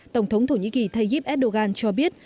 tổng thống thổ nhĩ kỳ tayyip erdogan cho biết